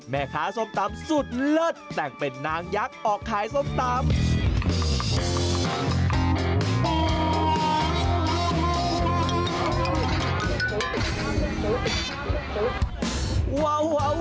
แม่ค้าส้มตำสุดเลิศแต่งเป็นนางยักษ์ออกขายส้มตำ